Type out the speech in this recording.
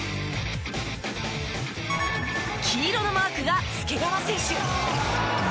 黄色のマークが介川選手。